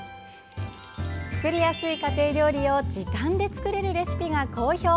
作りやすい家庭料理を時短で作れるレシピが好評！